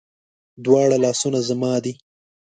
دواړه لاسونه زما دي